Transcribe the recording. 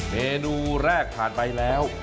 เมนูแรกผ่านไปแล้ว